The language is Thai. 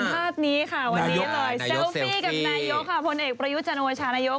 นายกเซลฟี่กับนายกค่ะพลเอกประยุชนวชาณายก